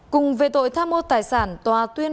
cùng về tội tham ô tài sản